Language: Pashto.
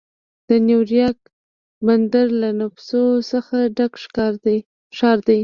د نیویارک بندر له نفوسو څخه ډک ښار دی.